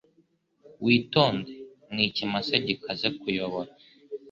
Witonde. Ni ikimasa gikaze. kuyobora